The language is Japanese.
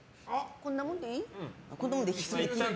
こんなもんでいい？